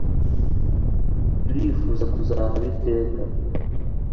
turifuza kuzahaba iteka